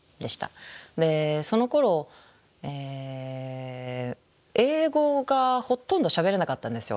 そのころ英語がほとんどしゃべれなかったんですよ